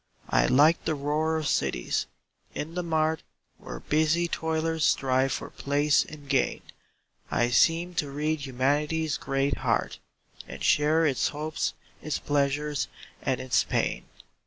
I like the roar of cities. In the mart, Where busy toilers strive for place and gain, I seem to read humanity's great heart, And share its hopes, its pleasures, and its pain.